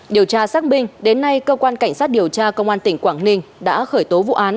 điều tra xác minh đến nay cơ quan cảnh sát điều tra công an tỉnh quảng ninh đã khởi tố vụ án